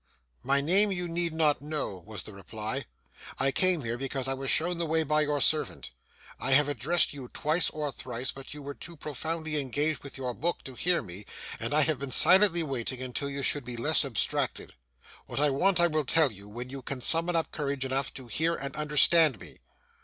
'My name you need not know,' was the reply. 'I came here, because I was shown the way by your servant. I have addressed you twice or thrice, but you were too profoundly engaged with your book to hear me, and I have been silently waiting until you should be less abstracted. What I want I will tell you, when you can summon up courage enough to hear and understand me.